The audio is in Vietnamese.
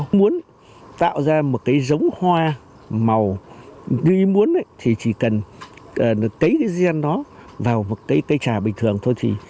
nếu muốn tạo ra một cái giống hoa màu ghi muốn thì chỉ cần cấy cái gen đó vào một cây trà bình thường thôi thì